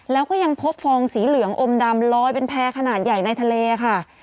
แล้วก็ยังพบฟองสีเหลืองอมดำลอยเป็นแพร่ขนาดใหญ่ในทะเลค่ะ